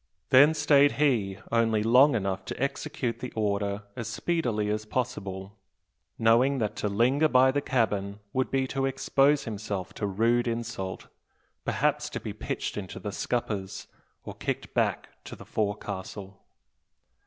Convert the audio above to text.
Then stayed he only long enough to execute the order as speedily as possible, knowing that to linger by the cabin would be to expose himself to rude insult, perhaps to be pitched into the scuppers or kicked back to the forecastle.